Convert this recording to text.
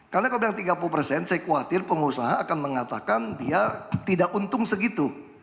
karena kalau bilang tiga puluh persen saya khawatir pengusaha akan mengatakan dia tidak untung segitu